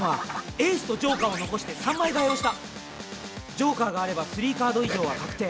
ジョーカーがあれば３カード以上は確定。